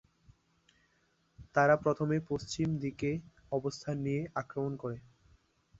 তারা প্রথমে পশ্চিম দিকে অবস্থান নিয়ে আক্রমণ করে।